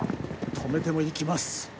止めても行きます